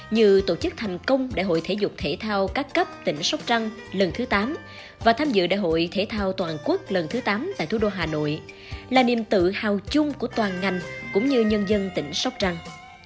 như tổ chức thành công đại hội thể dục thể thao các cấp tỉnh sóc trăng lần thứ tám và tham dự đại hội thể thao toàn quốc lần thứ tám tại thủ đô hà nội là niềm tự hào chung của toàn ngành cũng như nhân dân tỉnh sóc trăng